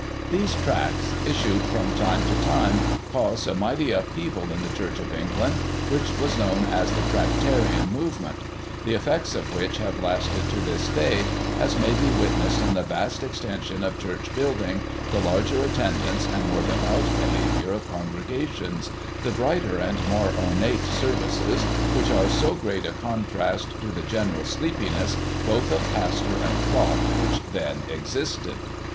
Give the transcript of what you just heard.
These Tracts, issued from time to time, caused a mighty upheaval in the Church of England, which was known as the " Tractarian movement," the effects of which have lasted to this day, as may be wit nessed in the vast extension of Church building, the Icirger attendance and more devout behaviour of congregations, the brighter and more ornate services, which are so great a con trast to the general sleepiness both of pastor and flock which then existed.